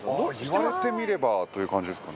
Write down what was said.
言われてみればという感じですかね。